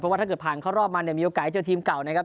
ว่าถ้าเกิดผ่านเข้ารอบมาเนี่ยมีโอกาสเจอทีมเก่านะครับ